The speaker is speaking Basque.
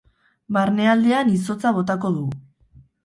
Barnealdean izotza botako du.